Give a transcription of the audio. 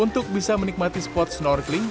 untuk bisa menikmati spot snorkeling